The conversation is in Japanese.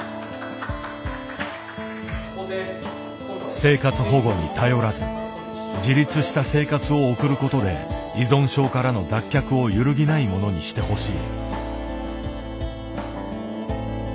生活保護に頼らず自立した生活を送ることで依存症からの脱却を揺るぎないものにしてほしい。